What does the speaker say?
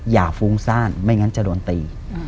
อย่าฟูงซ่านไม่งั้นจะโดนตี